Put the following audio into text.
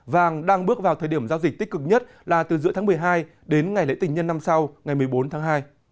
vàng đang bước vào thời điểm giao dịch tích cực nhất là từ giữa tháng một mươi hai đến ngày lễ tình nhân năm sau ngày một mươi bốn tháng hai